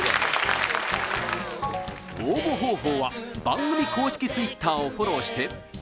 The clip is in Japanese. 応募方法は番組公式Ｔｗｉｔｔｅｒをフォローして＃